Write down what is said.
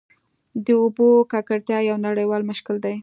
د اوبو ککړتیا یو نړیوال مشکل دی.